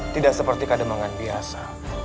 tidak seperti keademangan biasa